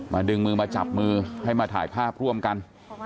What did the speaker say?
ดึงมือมาจับมือให้มาถ่ายภาพร่วมกัน